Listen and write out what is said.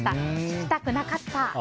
聞きたくなかった。